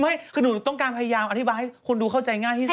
ไม่คือหนูต้องการพยายามอธิบายให้คนดูเข้าใจง่ายที่สุด